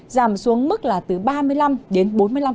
giảm xuống mức là từ ba mươi năm đến bốn mươi năm